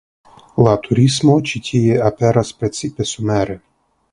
La turismo ĉi tie aperas precipe somere.